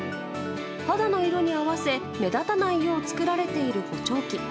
肌の色に合わせ、目立たないよう作られている補聴器。